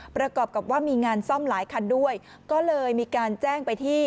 ประกอบกับว่ามีงานซ่อมหลายคันด้วยก็เลยมีการแจ้งไปที่